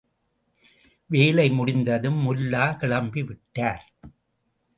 வேலை முடிந்ததும் முல்லா கிளம்பிவிட்டார்.